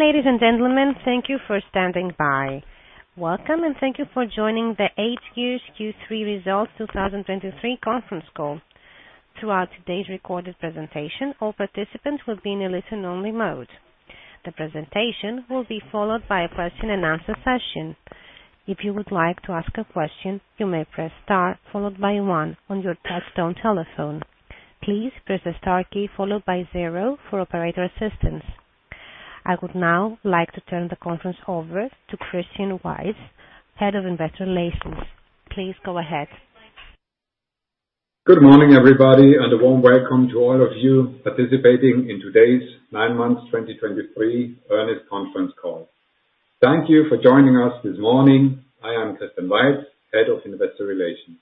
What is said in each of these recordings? Ladies and gentlemen, thank you for standing by. Welcome, and thank you for joining the hGears Q3 Results 2023 conference call. Throughout today's recorded presentation, all participants will be in a listen-only mode. The presentation will be followed by a question-and-answer session. If you would like to ask a question, you may press Star followed by one on your touchtone telephone. Please press the star key followed by zero for operator assistance. I would now like to turn the conference over to Christian Weiz, Head of Investor Relations. Please go ahead. Good morning, everybody, and a warm welcome to all of you participating in today's nine months 2023 earnings conference call. Thank you for joining us this morning. I am Christian Weiz, Head of Investor Relations.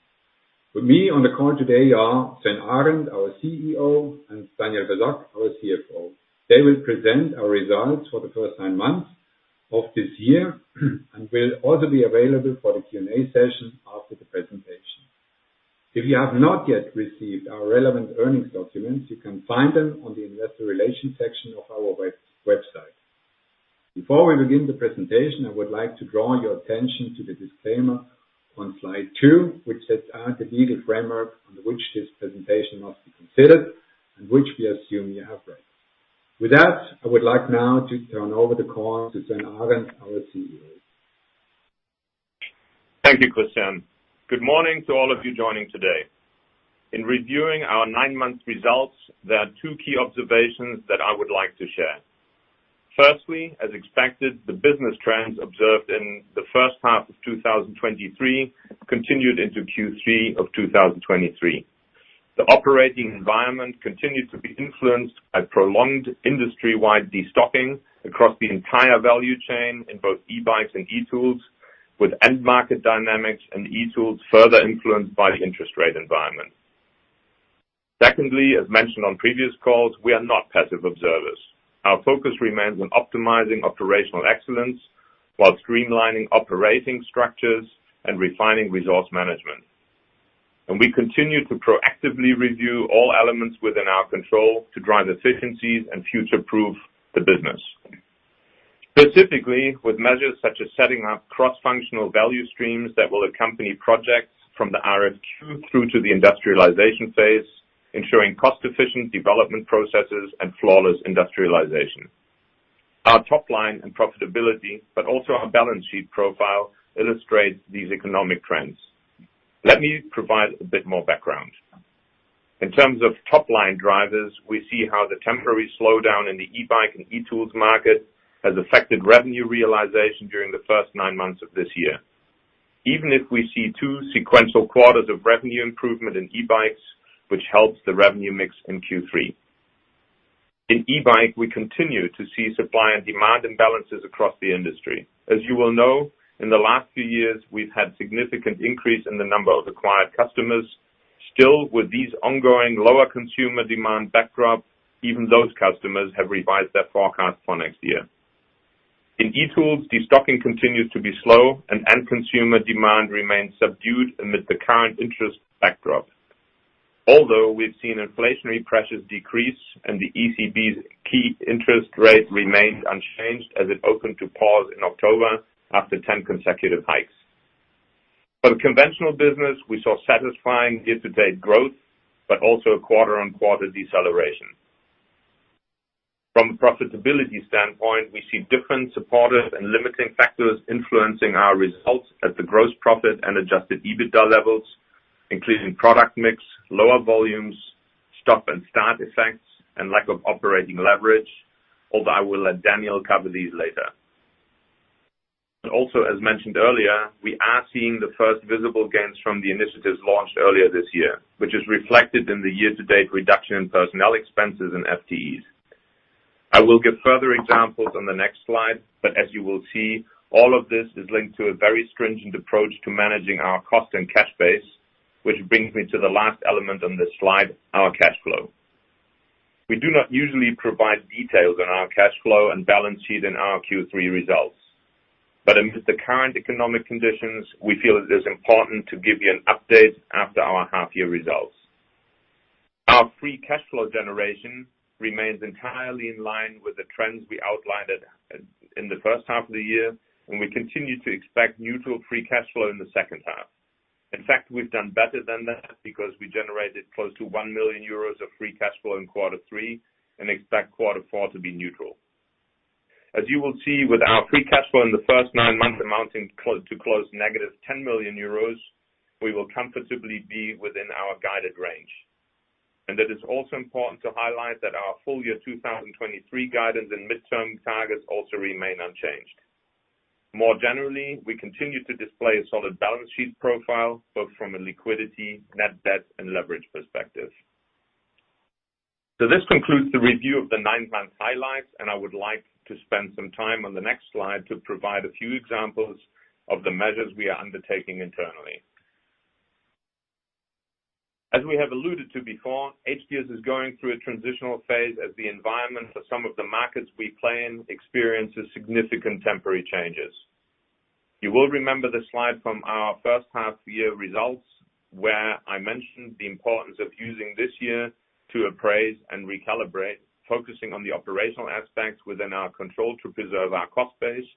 With me on the call today are Sven Arend, our CEO, and Daniel Basok, our CFO. They will present our results for the first nine months of this year and will also be available for the Q&A session after the presentation. If you have not yet received our relevant earnings documents, you can find them on the Investor Relations section of our website. Before we begin the presentation, I would like to draw your attention to the disclaimer on slide two, which sets out the legal framework under which this presentation must be considered and which we assume you have read. With that, I would like now to turn over the call to Sven Arend, our CEO. Thank you, Christian. Good morning to all of you joining today. In reviewing our nine-month results, there are two key observations that I would like to share. Firstly, as expected, the business trends observed in the first half of 2023 continued into Q3 of 2023. The operating environment continued to be influenced by prolonged industry-wide destocking across the entire value chain in both e-bikes and e-tools, with end-market dynamics and e-tools further influenced by the interest rate environment. Secondly, as mentioned on previous calls, we are not passive observers. Our focus remains on optimizing operational excellence while streamlining operating structures and refining resource management. We continue to proactively review all elements within our control to drive efficiencies and future-proof the business. Specifically, with measures such as setting up cross-functional value streams that will accompany projects from the RFQ through to the industrialization phase, ensuring cost-efficient development processes and flawless industrialization. Our top-line and profitability, but also our balance sheet profile, illustrates these economic trends. Let me provide a bit more background. In terms of top-line drivers, we see how the temporary slowdown in the e-bike and e-tools market has affected revenue realization during the first nine months of this year. Even if we see two sequential quarters of revenue improvement in e-bikes, which helps the revenue mix in Q3. In e-bike, we continue to see supply and demand imbalances across the industry. As you well know, in the last few years, we've had significant increase in the number of acquired customers. Still, with these ongoing lower consumer demand backdrop, even those customers have revised their forecast for next year. In e-Tools, destocking continues to be slow and end consumer demand remains subdued amid the current interest backdrop. Although we've seen inflationary pressures decrease and the ECB's key interest rate remains unchanged as it opened to pause in October after 10 consecutive hikes. For the conventional business, we saw satisfying year-to-date growth, but also a quarter-on-quarter deceleration. From a profitability standpoint, we see different supportive and limiting factors influencing our results at the gross profit and Adjusted EBITDA levels, including product mix, lower volumes, stop and start effects, and lack of operating leverage, although I will let Daniel cover these later. Also, as mentioned earlier, we are seeing the first visible gains from the initiatives launched earlier this year, which is reflected in the year-to-date reduction in personnel expenses and FTEs. I will give further examples on the next slide, but as you will see, all of this is linked to a very stringent approach to managing our cost and cash base, which brings me to the last element on this slide, our cash flow. We do not usually provide details on our cash flow and balance sheet in our Q3 results, but amid the current economic conditions, we feel it is important to give you an update after our half-year results. Our Free Cash Flow generation remains entirely in line with the trends we outlined in the first half of the year, and we continue to expect neutral Free Cash Flow in the second half. In fact, we've done better than that because we generated close to 1 million euros of Free Cash Flow in quarter three and expect quarter four to be neutral. As you will see, with our free cash flow in the first nine months amounting to close to negative 10 million euros, we will comfortably be within our guided range. It is also important to highlight that our full year 2023 guidance and midterm targets also remain unchanged. More generally, we continue to display a solid balance sheet profile, both from a liquidity, net debt, and leverage perspective. This concludes the review of the nine-month highlights, and I would like to spend some time on the next slide to provide a few examples of the measures we are undertaking internally. As we have alluded to before, hGears is going through a transitional phase as the environment for some of the markets we play in experiences significant temporary changes. You will remember this slide from our first half year results, where I mentioned the importance of using this year to appraise and recalibrate, focusing on the operational aspects within our control to preserve our cost base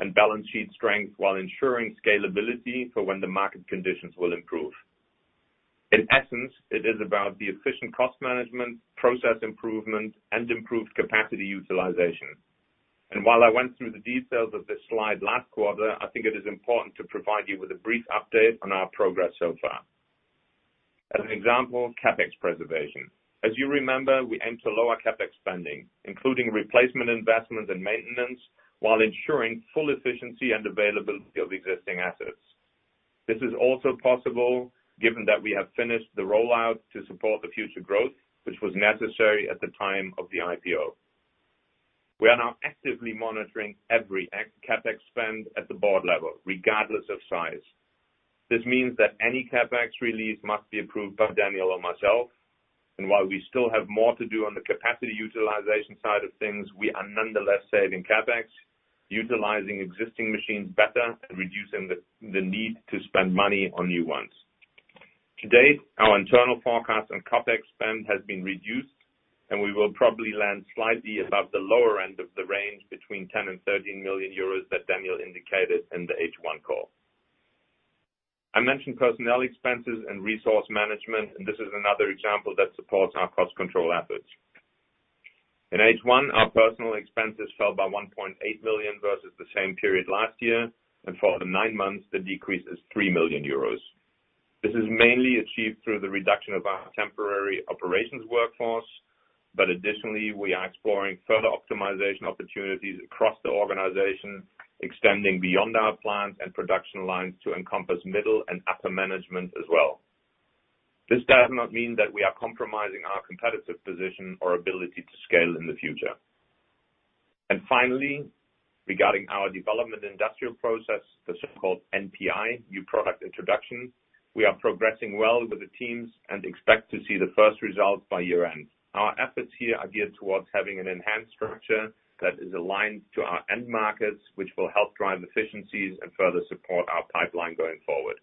and balance sheet strength, while ensuring scalability for when the market conditions will improve. In essence, it is about the efficient cost management, process improvement, and improved capacity utilization. While I went through the details of this slide last quarter, I think it is important to provide you with a brief update on our progress so far. As an example, CapEx preservation. As you remember, we aim to lower CapEx spending, including replacement investments and maintenance, while ensuring full efficiency and availability of existing assets. This is also possible given that we have finished the rollout to support the future growth, which was necessary at the time of the IPO. We are now actively monitoring every CapEx spend at the board level, regardless of size. This means that any CapEx release must be approved by Daniel or myself, and while we still have more to do on the capacity utilization side of things, we are nonetheless saving CapEx, utilizing existing machines better, and reducing the need to spend money on new ones. To date, our internal forecast on CapEx spend has been reduced, and we will probably land slightly above the lower end of the range, between 10 million and 13 million euros that Daniel indicated in the H1 call. I mentioned personnel expenses and resource management, and this is another example that supports our cost control efforts. In H1, our personnel expenses fell by 1.8 million versus the same period last year, and for the nine months, the decrease is 3 million euros. This is mainly achieved through the reduction of our temporary operations workforce, but additionally, we are exploring further optimization opportunities across the organization, extending beyond our plants and production lines to encompass middle and upper management as well. This does not mean that we are compromising our competitive position or ability to scale in the future. And finally, regarding our development industrial process, the so-called NPI, new product introduction, we are progressing well with the teams and expect to see the first results by year-end. Our efforts here are geared towards having an enhanced structure that is aligned to our end markets, which will help drive efficiencies and further support our pipeline going forward.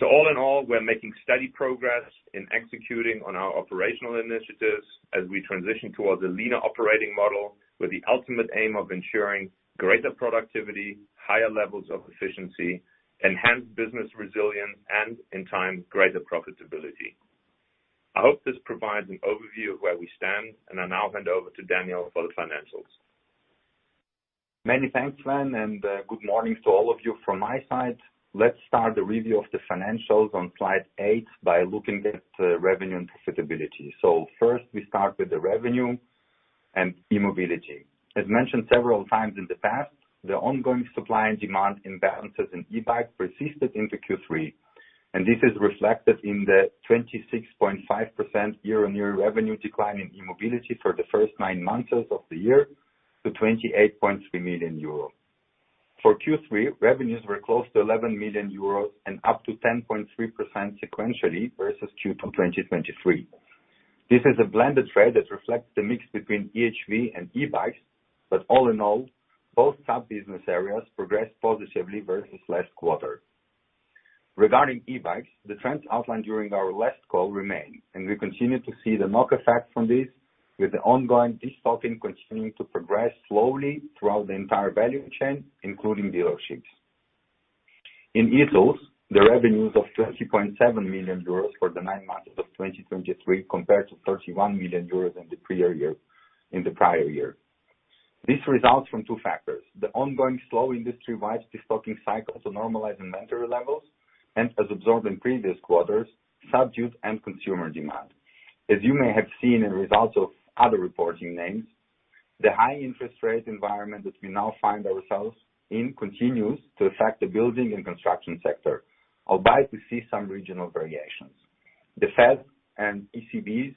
So all in all, we're making steady progress in executing on our operational initiatives as we transition towards a leaner operating model, with the ultimate aim of ensuring greater productivity, higher levels of efficiency, enhanced business resilience, and, in time, greater profitability. I hope this provides an overview of where we stand, and I now hand over to Daniel for the financials. Many thanks, Sven, and good morning to all of you from my side. Let's start the review of the financials on slide eight by looking at revenue and profitability. First, we start with the revenue and e-Mobility. As mentioned several times in the past, the ongoing supply and demand imbalances in e-bike persisted into Q3, and this is reflected in the 26.5% year-on-year revenue decline in e-Mobility for the first nine months of the year to 28.3 million euros. For Q3, revenues were close to 11 million euros and up 10.3% sequentially versus Q2 2023. This is a blended rate that reflects the mix between EHV and e-bikes, but all in all, both sub-business areas progressed positively versus last quarter. Regarding e-bikes, the trends outlined during our last call remain, and we continue to see the knock-on effect from this, with the ongoing destocking continuing to progress slowly throughout the entire value chain, including dealerships. In e-tools, the revenues of 30.7 million euros for the nine months of 2023 compared to 31 million euros in the prior year, in the prior year. This results from two factors: the ongoing slow industry-wide destocking cycle to normalize inventory levels, and as observed in previous quarters, subdued end consumer demand. As you may have seen in results of other reporting names, the high interest rate environment that we now find ourselves in continues to affect the building and construction sector, albeit we see some regional variations. The Fed and ECB's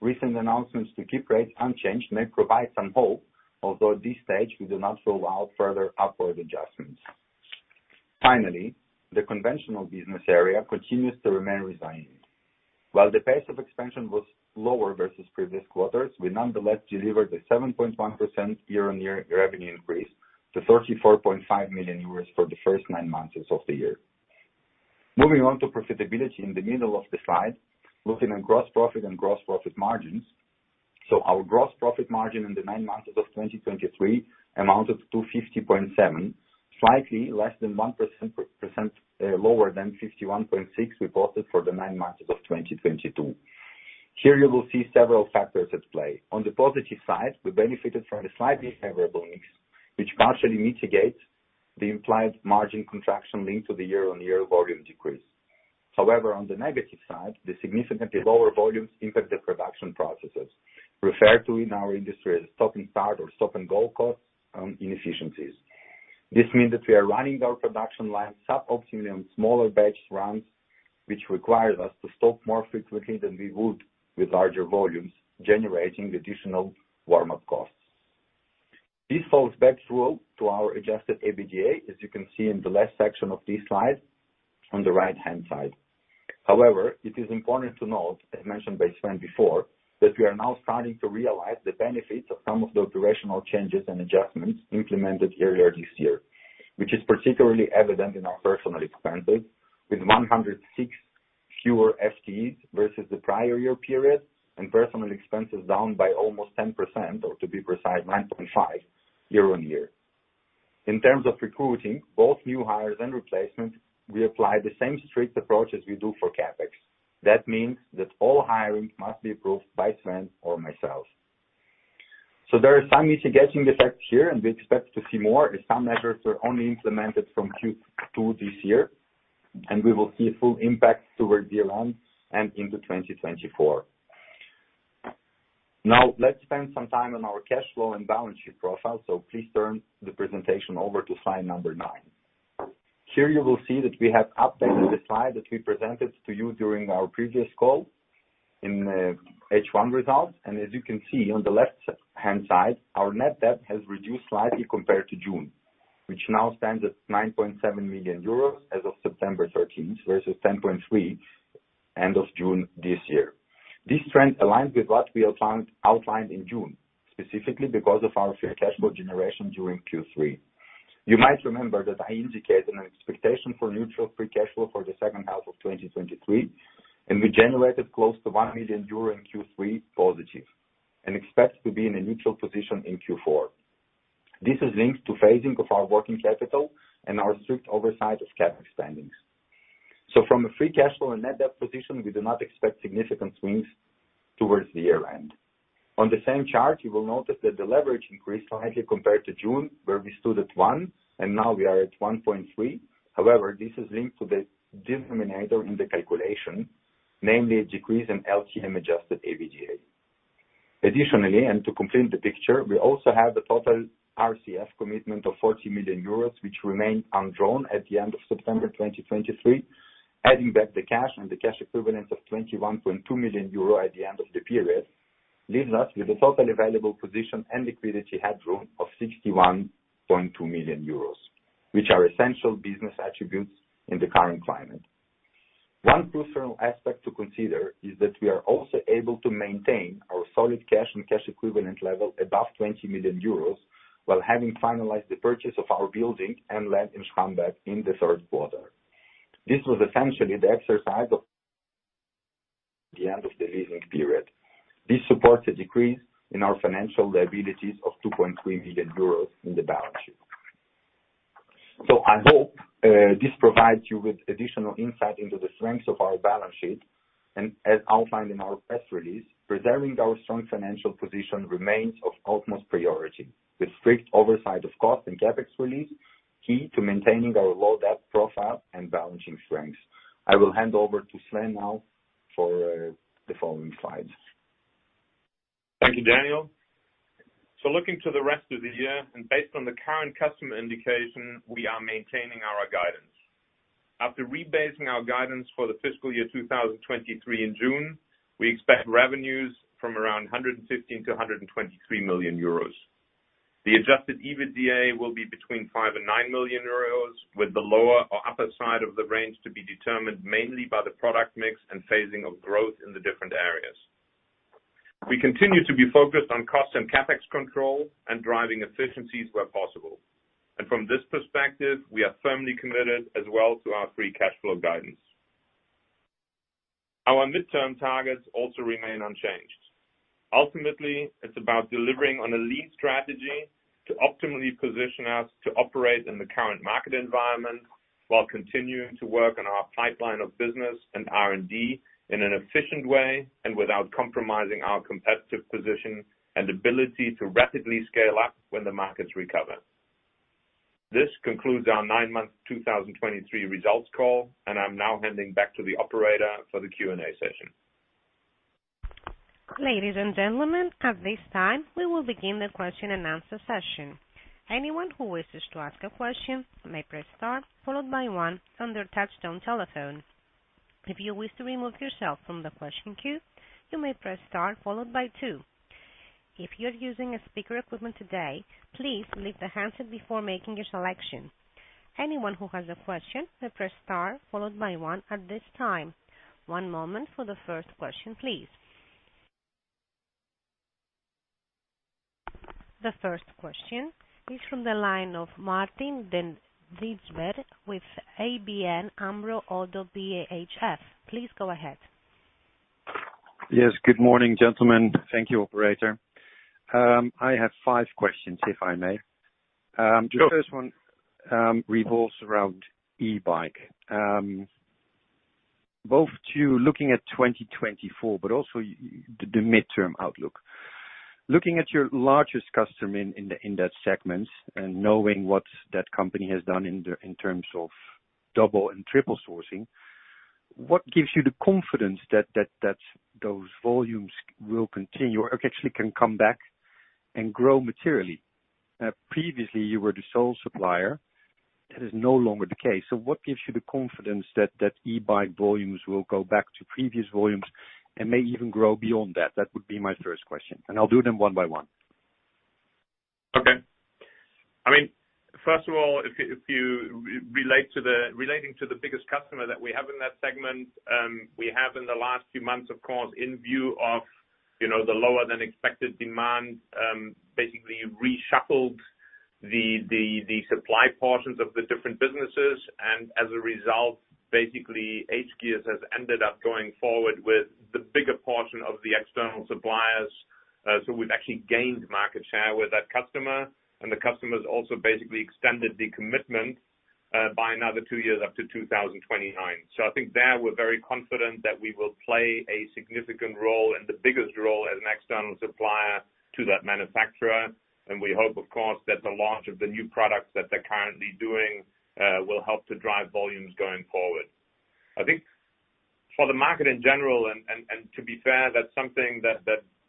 recent announcements to keep rates unchanged may provide some hope, although at this stage, we do not rule out further upward adjustments. Finally, the conventional business area continues to remain resilient. While the pace of expansion was lower versus previous quarters, we nonetheless delivered a 7.1% year-on-year revenue increase to 34.5 million euros for the first nine months of the year. Moving on to profitability in the middle of the slide, looking at gross profit and gross profit margins. So our gross profit margin in the nine months of 2023 amounted to 50.7%, slightly less than 1% lower than 51.6% we posted for the nine months of 2022. Here, you will see several factors at play. On the positive side, we benefited from a slightly favorable mix, which partially mitigates the implied margin contraction linked to the year-on-year volume decrease. However, on the negative side, the significantly lower volumes impact the production processes, referred to in our industry as stop-and-start or stop-and-go costs and inefficiencies. This means that we are running our production lines suboptimal in smaller batch runs, which requires us to stop more frequently than we would with larger volumes, generating additional warm-up costs. This falls back through to our adjusted EBITDA, as you can see in the last section of this slide on the right-hand side.... However, it is important to note, as mentioned by Sven before, that we are now starting to realize the benefits of some of the operational changes and adjustments implemented earlier this year, which is particularly evident in our personnel expenses, with 106 fewer FTEs versus the prior year period, and personnel expenses down by almost 10%, or to be precise, 9.5% year-on-year. In terms of recruiting, both new hires and replacements, we apply the same strict approach as we do for CapEx. That means that all hiring must be approved by Sven or myself. So there are some mitigating effects here, and we expect to see more, as some measures are only implemented from Q2 this year, and we will see a full impact towards the end and into 2024. Now, let's spend some time on our cash flow and balance sheet profile. Please turn the presentation over to slide number nine. Here you will see that we have updated the slide that we presented to you during our previous call in the H1 results, and as you can see on the left-hand side, our net debt has reduced slightly compared to June, which now stands at 9.7 million euros as of September 13, versus 10.3, end of June this year. This trend aligns with what we outlined in June, specifically because of our free cash flow generation during Q3. You might remember that I indicated an expectation for neutral free cash flow for the second half of 2023, and we generated close to 1 million euro in Q3 positive and expect to be in a neutral position in Q4. This is linked to phasing of our working capital and our strict oversight of CapEx spendings. So from a free cash flow and net debt position, we do not expect significant swings towards the year end. On the same chart, you will notice that the leverage increased slightly compared to June, where we stood at one, and now we are at 1.3. However, this is linked to the denominator in the calculation, namely a decrease in LTM adjusted EBITDA. Additionally, and to complete the picture, we also have a total RCF commitment of 40 million euros, which remained undrawn at the end of September 2023. Adding back the cash and the cash equivalents of 21.2 million euro at the end of the period, leaves us with a totally available position and liquidity headroom of 61.2 million euros, which are essential business attributes in the current climate. One crucial aspect to consider is that we are also able to maintain our solid cash and cash equivalent level above 20 million euros while having finalized the purchase of our building and land in Schramberg in the third quarter. This was essentially the exercise of the end of the leasing period. This supports a decrease in our financial liabilities of 2.3 million euros in the balance sheet. I hope this provides you with additional insight into the strengths of our balance sheet, and as outlined in our press release, preserving our strong financial position remains of utmost priority, with strict oversight of cost and CapEx release, key to maintaining our low debt profile and balancing strengths. I will hand over to Sven now for the following slides. Thank you, Daniel. So looking to the rest of the year and based on the current customer indication, we are maintaining our guidance. After rebasing our guidance for the fiscal year 2023 in June, we expect revenues from around 115 million to 123 million euros. The Adjusted EBITDA will be between 5 million and 9 million euros, with the lower or upper side of the range to be determined mainly by the product mix and phasing of growth in the different areas. We continue to be focused on cost and CapEx control and driving efficiencies where possible. And from this perspective, we are firmly committed as well to our free cash flow guidance. Our midterm targets also remain unchanged. Ultimately, it's about delivering on a lean strategy to optimally position us to operate in the current market environment, while continuing to work on our pipeline of business and R&D in an efficient way and without compromising our competitive position and ability to rapidly scale up when the markets recover. This concludes our nine-month 2023 results call, and I'm now handing back to the operator for the Q&A session. Ladies and gentlemen, at this time, we will begin the question and answer session. Anyone who wishes to ask a question may press star followed by one on their touchtone telephone. If you wish to remove yourself from the question queue, you may press star followed by two. If you're using a speaker equipment today, please leave the handset before making your selection. Anyone who has a question may press star followed by one at this time. One moment for the first question, please. The first question is from the line of Martijn den Drijver with ABN AMRO-Oddo BHF. Please go ahead. Yes, good morning, gentlemen. Thank you, operator. I have five questions, if I may. Sure. The first one revolves around e-bike. Both looking at 2024, but also the midterm outlook. Looking at your largest customer in that segment and knowing what that company has done in terms of double and triple sourcing, what gives you the confidence that those volumes will continue or actually can come back and grow materially? Previously you were the sole supplier. That is no longer the case. So what gives you the confidence that e-bike volumes will go back to previous volumes and may even grow beyond that? That would be my first question, and I'll do them one by one.... First of all, if you relate to the biggest customer that we have in that segment, we have in the last few months, of course, in view of, you know, the lower than expected demand, basically reshuffled the supply portions of the different businesses, and as a result, basically, hGears has ended up going forward with the bigger portion of the external suppliers. So we've actually gained market share with that customer, and the customer's also basically extended the commitment by another two years up to 2029. So I think there, we're very confident that we will play a significant role and the biggest role as an external supplier to that manufacturer. We hope, of course, that the launch of the new products that they're currently doing will help to drive volumes going forward. I think for the market in general, and to be fair, that's something that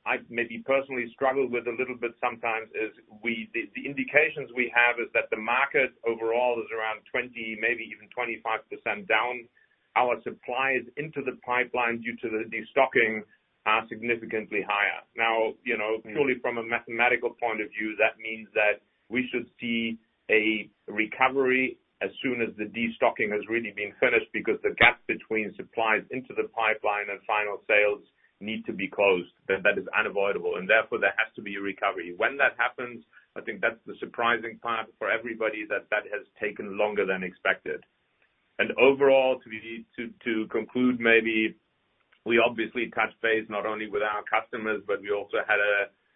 I maybe personally struggle with a little bit sometimes, is the indications we have is that the market overall is around 20, maybe even 25% down. Our supplies into the pipeline due to the destocking are significantly higher. Now, you know, purely from a mathematical point of view, that means that we should see a recovery as soon as the destocking has really been finished, because the gap between supplies into the pipeline and final sales need to be closed. That is unavoidable, and therefore, there has to be a recovery. When that happens, I think that's the surprising part for everybody, that that has taken longer than expected. And overall, to conclude, maybe we obviously touch base not only with our customers, but we also had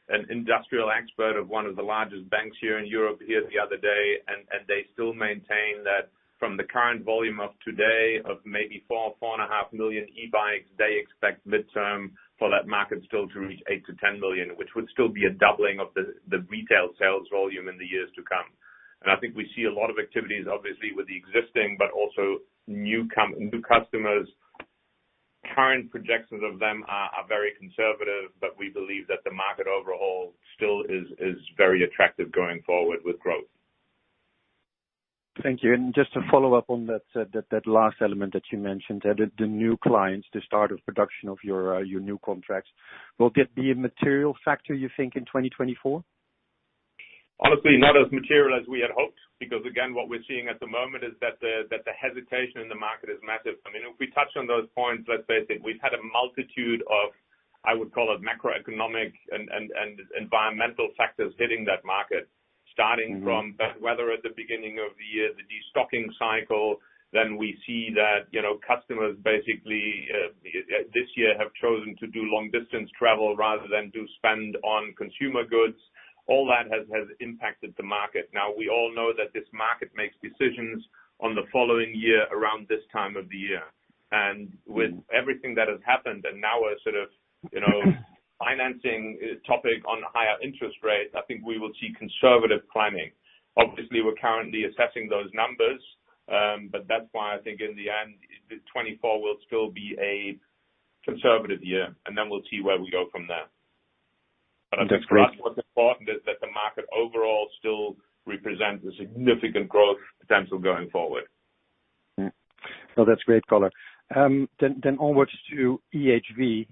an industrial expert of one of the largest banks here in Europe here the other day, and they still maintain that from the current volume of today of maybe 4 million-4.5 million e-bikes, they expect midterm for that market still to reach 8 million-10 million, which would still be a doubling of the retail sales volume in the years to come. And I think we see a lot of activities, obviously, with the existing, but also new customers. Current projections of them are very conservative, but we believe that the market overall still is very attractive going forward with growth. Thank you. And just to follow up on that, that last element that you mentioned, the new clients, the start of production of your new contracts. Will that be a material factor, you think, in 2024? Honestly, not as material as we had hoped, because, again, what we're seeing at the moment is that the hesitation in the market is massive. I mean, if we touch on those points, let's say I think we've had a multitude of, I would call it, macroeconomic and environmental factors hitting that market, starting from- Mm-hmm... bad weather at the beginning of the year, the destocking cycle. Then we see that, you know, customers basically, this year have chosen to do long-distance travel rather than do spend on consumer goods. All that has impacted the market. Now, we all know that this market makes decisions on the following year around this time of the year. And with everything that has happened, and now a sort of, you know, financing topic on higher interest rates, I think we will see conservative planning. Obviously, we're currently assessing those numbers, but that's why I think in the end, the 2024 will still be a conservative year, and then we'll see where we go from there. That's great. For us, what's important is that the market overall still represents a significant growth potential going forward. No, that's great color. Then onwards to EHV,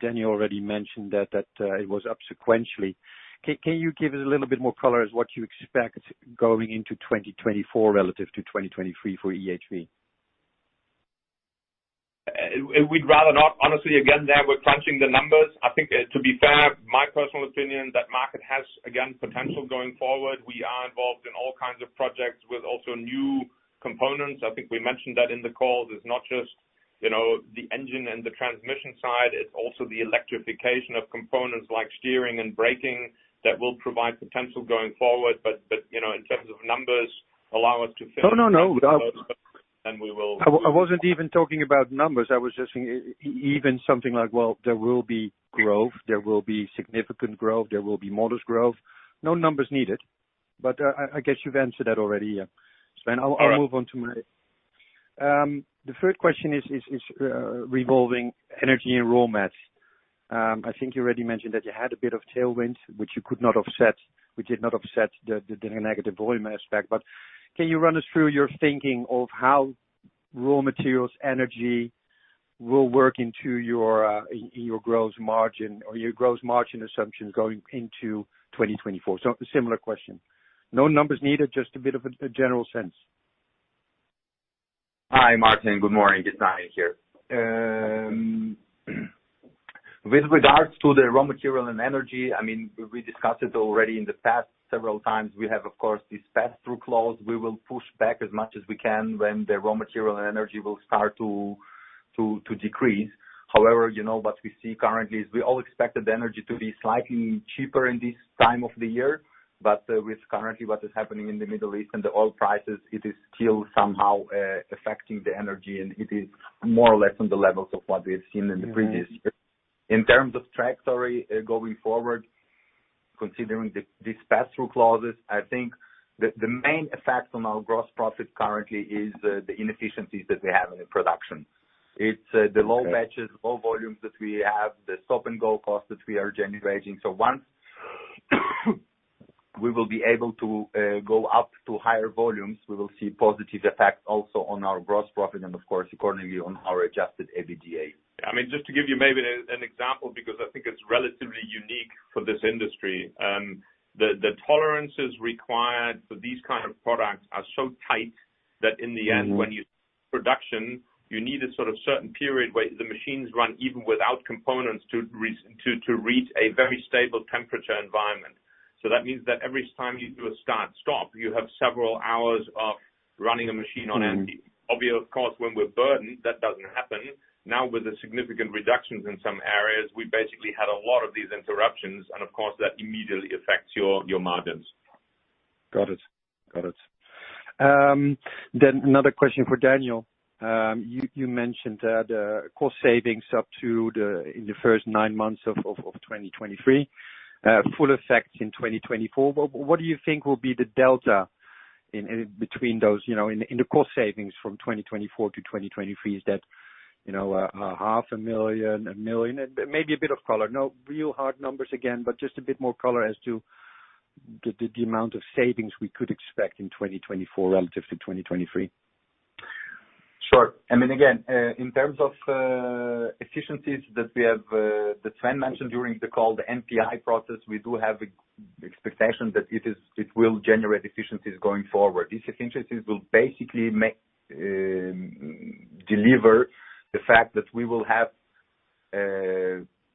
Daniel already mentioned that it was up sequentially. Can you give us a little bit more color as what you expect going into 2024 relative to 2023 for EHV? We'd rather not. Honestly, again, there, we're crunching the numbers. I think, to be fair, my personal opinion, that market has, again, potential going forward. We are involved in all kinds of projects with also new components. I think we mentioned that in the call. It's not just, you know, the engine and the transmission side, it's also the electrification of components like steering and braking, that will provide potential going forward, but, but, you know, in terms of numbers, allow us to finish- No, no, no. Then we will- I wasn't even talking about numbers. I was just thinking even something like: Well, there will be growth, there will be significant growth, there will be modest growth. No numbers needed, but I guess you've answered that already, yeah. Yeah. So I'll move on to my third question, which is regarding energy and raw materials. I think you already mentioned that you had a bit of tailwind, which you could not offset, which did not offset the negative volume aspect. But can you run us through your thinking of how raw materials, energy will work into your in your gross margin or your gross margin assumptions going into 2024? So a similar question. No numbers needed, just a bit of a general sense. Hi, Martin. Good morning. It's Daniel here. With regards to the raw material and energy, I mean, we discussed it already in the past several times. We have, of course, this pass-through clause. We will push back as much as we can when the raw material and energy will start to decrease. However, you know, what we see currently is we all expected the energy to be slightly cheaper in this time of the year, but with currently what is happening in the Middle East and the oil prices, it is still somehow affecting the energy, and it is more or less on the levels of what we've seen in the previous years. Mm-hmm. In terms of trends, sorry, going forward, considering these pass-through clauses, I think the main effect on our gross profit currently is the inefficiencies that we have in the production. Okay. It's the low batches, low volumes that we have, the Stop-and-Go Costs that we are generating. So once we will be able to go up to higher volumes, we will see positive effects also on our gross profit, and of course, accordingly, on our Adjusted EBITDA. I mean, just to give you maybe an example, because I think it's relatively unique for this industry. The tolerances required for these kind of products are so tight that in the end- Mm-hmm When production, you need a sort of certain period where the machines run, even without components, to reach a very stable temperature environment. So that means that every time you do a start-stop, you have several hours of running a machine on empty. Obviously, of course, when we're burdened, that doesn't happen. Now, with the significant reductions in some areas, we basically had a lot of these interruptions, and of course, that immediately affects your margins. Got it. Got it. Then another question for Daniel. You mentioned that cost savings up to the in the first nine months of 2023 full effect in 2024. But what do you think will be the delta in between those, you know, in the cost savings from 2024-2023? Is that, you know, EUR 500,000, 1 million? Maybe a bit of color. No real hard numbers again, but just a bit more color as to the amount of savings we could expect in 2024 relative to 2023. Sure. I mean, again, in terms of efficiencies that we have that Sven mentioned during the call, the NPI process, we do have expectation that it will generate efficiencies going forward. These efficiencies will basically make deliver the fact that we will have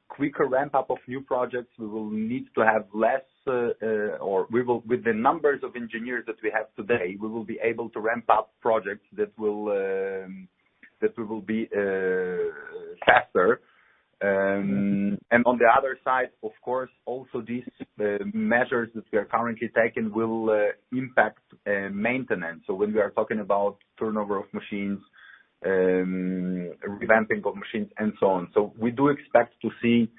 quicker ramp-up of new projects. We will need to have less, or we will-- with the numbers of engineers that we have today, we will be able to ramp up projects that will that will be faster. And on the other side, of course, also these measures that we are currently taking will impact maintenance. So when we are talking about turnover of machines, revamping of machines, and so on. So we do expect to see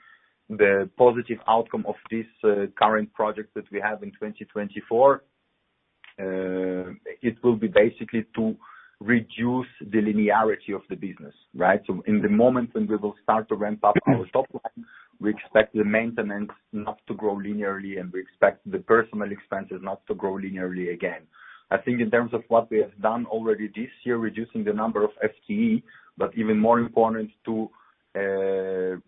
the positive outcome of this current project that we have in 2024. It will be basically to reduce the linearity of the business, right? So in the moment when we will start to ramp up our top line, we expect the maintenance not to grow linearly, and we expect the personnel expenses not to grow linearly again. I think in terms of what we have done already this year, reducing the number of FTE, but even more important, to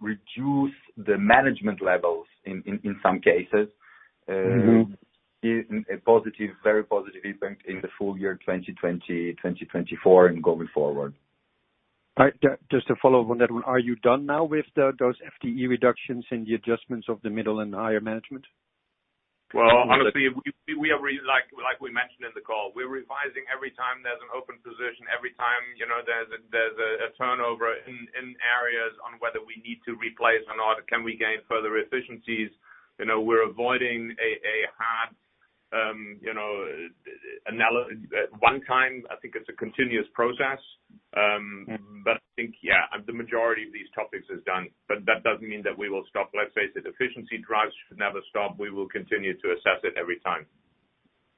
reduce the management levels in some cases, a positive, very positive impact in the full year 2020, 2024 and going forward. All right. Just to follow up on that one, are you done now with the, those FTE reductions and the adjustments of the middle and higher management? Well, honestly, we are, like, like we mentioned in the call, we're revising every time there's an open position, every time, you know, there's a turnover in areas on whether we need to replace or not, can we gain further efficiencies? You know, we're avoiding a hard, you know, one time. I think it's a continuous process. But I think, yeah, the majority of these topics is done, but that doesn't mean that we will stop. Let's say the efficiency drives should never stop. We will continue to assess it every time.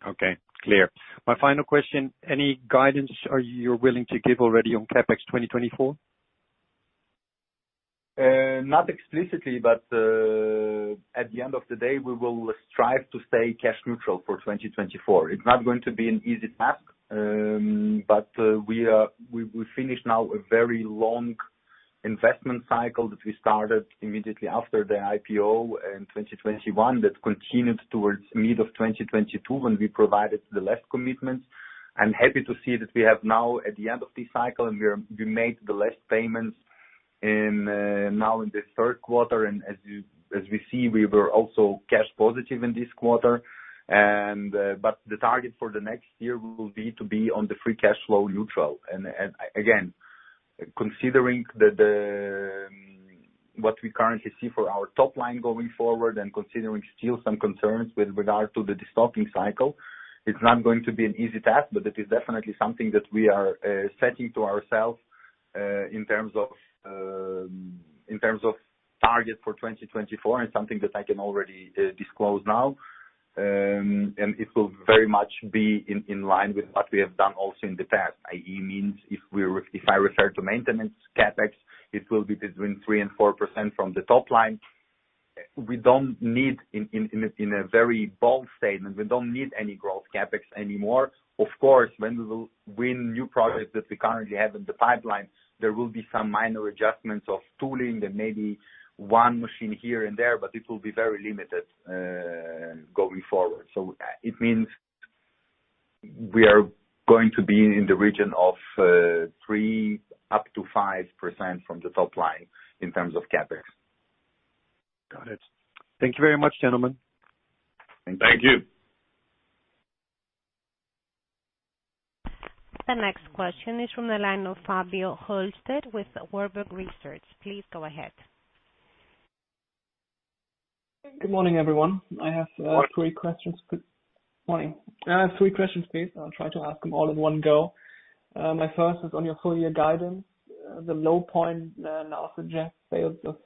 Okay, clear. My final question, any guidance you're willing to give already on CapEx 2024? Not explicitly, but at the end of the day, we will strive to stay cash neutral for 2024. It's not going to be an easy task, but we finished now a very long investment cycle that we started immediately after the IPO in 2021, that continued towards mid of 2022, when we provided the last commitment. I'm happy to see that we have now, at the end of this cycle, and we made the last payments in now in the third quarter, and as we see, we were also cash positive in this quarter. But the target for the next year will be to be on the free cash flow neutral. And again, considering that, what we currently see for our top line going forward and considering still some concerns with regard to the destocking cycle, it's not going to be an easy task, but it is definitely something that we are setting to ourselves, in terms of target for 2024 and something that I can already disclose now. And it will very much be in line with what we have done also in the past, i.e., means if I refer to maintenance CapEx, it will be between 3%-4% from the top line. We don't need, in a very bold statement, we don't need any growth CapEx anymore. Of course, when we will win new projects that we currently have in the pipeline, there will be some minor adjustments of tooling and maybe one machine here and there, but it will be very limited, going forward. So it means we are going to be in the region of 3%-5% from the top line in terms of CapEx. Got it. Thank you very much, gentlemen. Thank you. Thank you. The next question is from the line of Fabio Hölscher with Warburg Research. Please go ahead. Good morning, everyone. I have three questions. Good morning. I have three questions, please. I'll try to ask them all in one go. My first is on your full year guidance. The low point now suggests sales of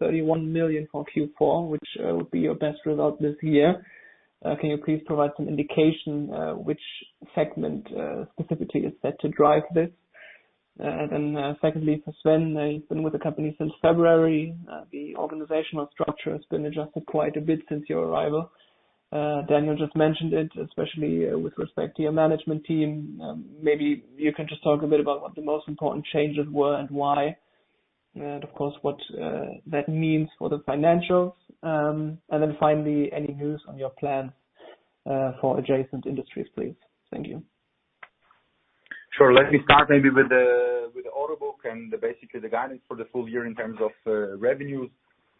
31 million for Q4, which would be your best result this year. Can you please provide some indication which segment specifically is set to drive this? And secondly, for Sven, you've been with the company since February. The organizational structure has been adjusted quite a bit since your arrival. Daniel just mentioned it, especially with respect to your management team. Maybe you can just talk a bit about what the most important changes were and why? And of course, what that means for the financials. And then finally, any news on your plans for adjacent industries, please? Thank you. Sure. Let me start maybe with the order book and basically the guidance for the full year in terms of revenues.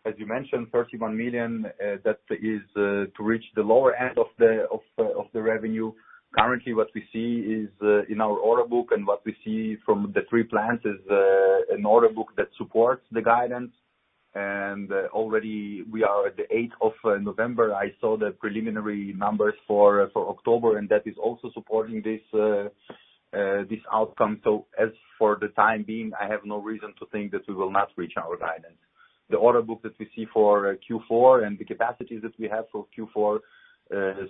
As you mentioned, 31 million, that is to reach the lower end of the revenue. Currently, what we see is in our order book and what we see from the three plants is an order book that supports the guidance. And already we are at the eighth of November. I saw the preliminary numbers for October, and that is also supporting this outcome. So as for the time being, I have no reason to think that we will not reach our guidance. The order book that we see for Q4 and the capacities that we have for Q4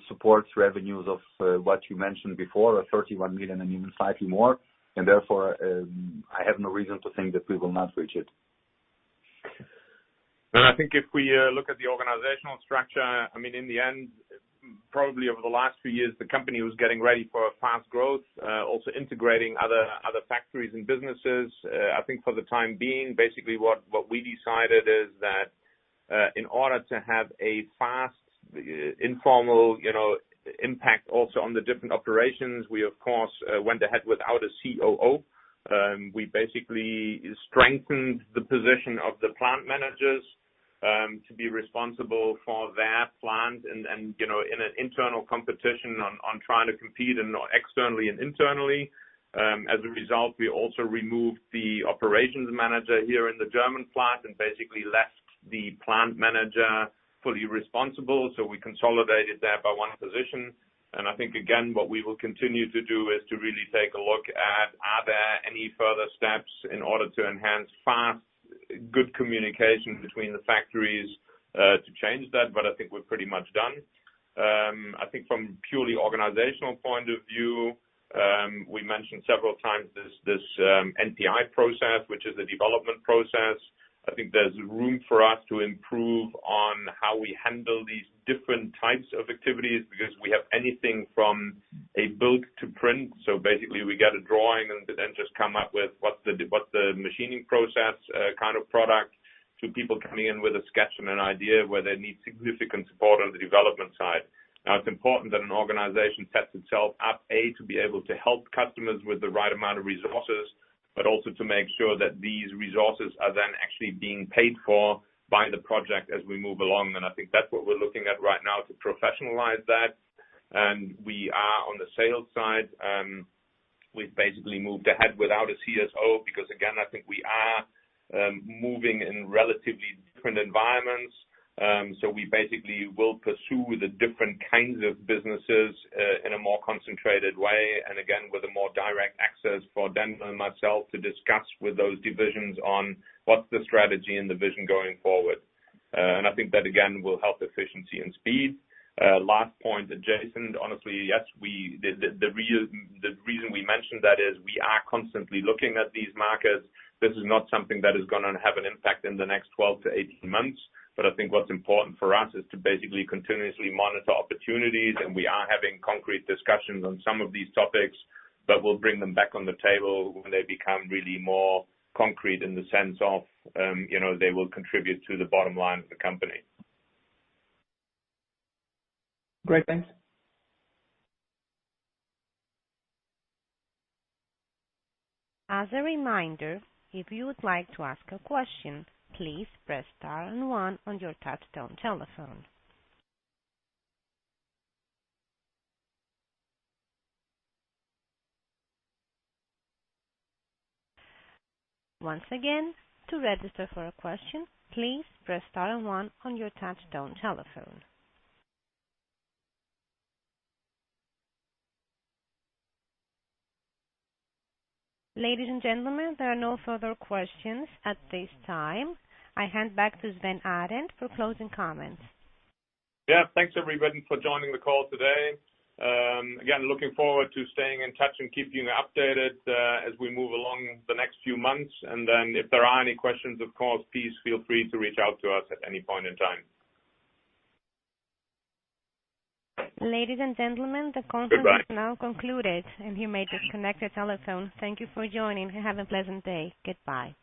supports revenues of what you mentioned before, 31 million and even slightly more, and therefore I have no reason to think that we will not reach it. And I think if we look at the organizational structure, I mean, in the end, probably over the last few years, the company was getting ready for a fast growth, also integrating other, other factories and businesses. I think for the time being, basically what we decided is that in order to have a fast, informal, you know, impact also on the different operations, we of course went ahead without a COO. We basically strengthened the position of the plant managers, to be responsible for their plant and, you know, in an internal competition on trying to compete and externally and internally. As a result, we also removed the operations manager here in the German plant and basically left the plant manager fully responsible. So we consolidated that by one position. And I think, again, what we will continue to do is to really take a look at, are there any further steps in order to enhance fast, good communication between the factories, to change that, but I think we're pretty much done. I think from purely organizational point of view, we mentioned several times this, NPI process, which is a development process. I think there's room for us to improve on how we handle these different types of activities, because we have anything from a build to print. So basically, we get a drawing and then just come up with what the machining process, kind of product, to people coming in with a sketch and an idea where they need significant support on the development side. Now, it's important that an organization sets itself up, A, to be able to help customers with the right amount of resources, but also to make sure that these resources are then actually being paid for by the project as we move along. And I think that's what we're looking at right now, to professionalize that. And we are on the sales side, we've basically moved ahead without a CSO, because, again, I think we are moving in relatively different environments. So we basically will pursue the different kinds of businesses in a more concentrated way, and again, with a more direct access for Dan and myself to discuss with those divisions on what's the strategy and the vision going forward. And I think that, again, will help efficiency and speed. Last point, adjacent, honestly, yes, the reason we mentioned that is we are constantly looking at these markets. This is not something that is gonna have an impact in the next 12-18 months, but I think what's important for us is to basically continuously monitor opportunities. And we are having concrete discussions on some of these topics, but we'll bring them back on the table when they become really more concrete in the sense of, you know, they will contribute to the bottom line of the company. Great. Thanks. As a reminder, if you would like to ask a question, please press star and one on your touchtone telephone. Once again, to register for a question, please press star and one on your touchtone telephone. Ladies and gentlemen, there are no further questions at this time. I hand back to Sven Arend for closing comments. Yeah. Thanks, everybody, for joining the call today. Again, looking forward to staying in touch and keeping you updated, as we move along the next few months. Then if there are any questions, of course, please feel free to reach out to us at any point in time. Ladies and gentlemen, the conference- Goodbye... is now concluded, and you may disconnect your telephone. Thank you for joining. Have a pleasant day. Goodbye.